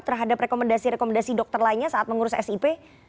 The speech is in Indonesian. terhadap rekomendasi rekomendasi dokter lainnya saat mengurus sip